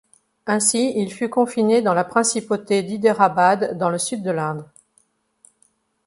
Ainsi, il fut confiné dans la principauté d'Hyderābād, dans le sud de l'Inde.